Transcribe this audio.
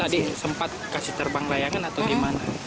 tadi sempat kasih terbang layangan atau gimana